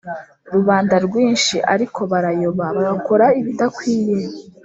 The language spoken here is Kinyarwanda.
Rubanda rwinshi ariko barayoba bagakora ibidakwiye